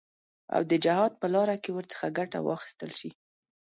او د جهاد په لاره کې ورڅخه ګټه واخیستل شي.